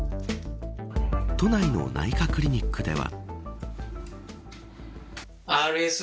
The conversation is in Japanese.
都内の内科クリニックでは。